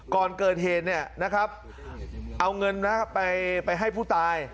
ก่อนเกิดเหตุเนี่ยนะครับเอาเงินไปให้ผู้ตาย